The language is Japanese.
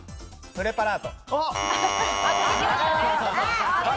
プレパラート。